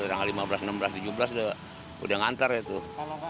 tanggal lima belas enam belas tujuh belas udah nganter ya tuh